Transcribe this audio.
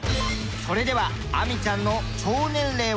それでは亜美ちゃんの腸年齢は。